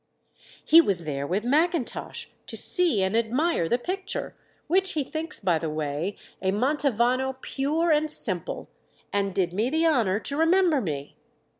"He was there with Mackintosh—to see and admire the picture; which he thinks, by the way, a Mantovano pure and simple!—and did me the honour to remember me.